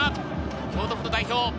京都府代表。